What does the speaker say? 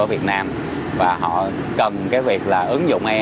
ở việt nam và họ cần cái việc là ứng dụng ai